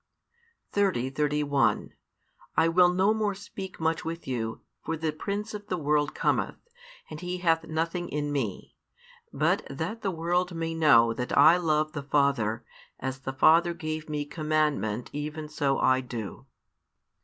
30, 31 I will no more speak much with you, for the prince of the world cometh: and he hath nothing in Me; but that the world may know that I love the Father, as the Father gave Me commandment even so I do.